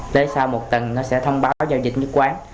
tới sau một tuần nó sẽ thông báo giao dịch nhất quán